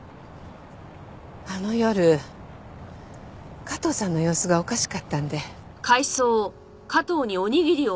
あの夜加藤さんの様子がおかしかったんで。